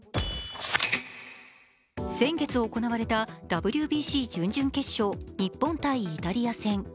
先月行われたＷＢＣ準々決勝日本−イタリア戦。